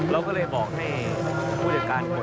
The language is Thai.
เราก็เลยบอกให้ผู้จัดการคน